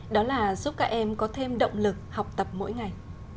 đó là giúp các em có thêm động lực học tập mỗi ngày